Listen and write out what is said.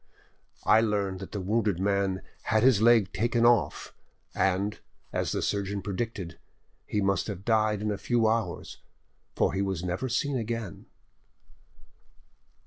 "I learned that the wounded man had his leg taken off, and, as the surgeon predicted, he must have died in a few hours, for he was never seen again."